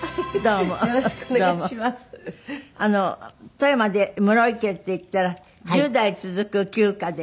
富山で室井家っていったら１０代続く旧家で。